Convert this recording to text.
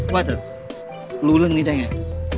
ว่าจะรู้เรื่องนี้ได้ไง